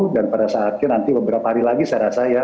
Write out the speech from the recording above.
dan pada saatnya nanti beberapa hari lagi saya rasa ya